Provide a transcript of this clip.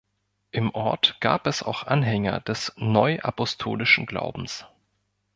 Im Ort gab es auch Anhänger des Neuapostolischen Glaubens.